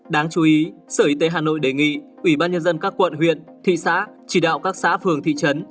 đáng chú ý sở y tế hà nội đề nghị ủy ban nhân dân các quận huyện thị xã chỉ đạo các xã phường thị trấn